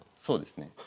そうですね。